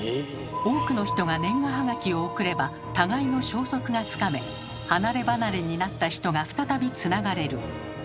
多くの人が年賀はがきを送れば互いの消息がつかめ離れ離れになった人が再びつながれる。